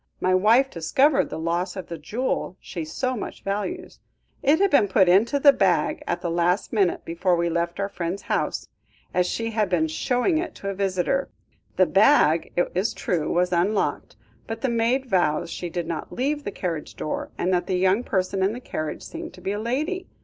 My wife discovered the loss of the jewel she so much values. It had been put into the bag at the last minute before we left our friends' house, as she had been showing it to a visitor. The bag, it is true, was unlocked, but the maid vows she did not leave the carriage door, and that the young person in the carriage seemed to be a lady.